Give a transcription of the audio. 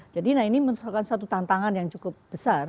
jadi ini menyebabkan satu tantangan yang cukup besar